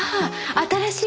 新しい。